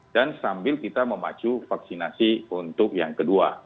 dan sambil kita memacu vaksinasi untuk yang kedua